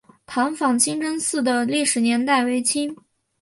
塘坊清真寺的历史年代为清。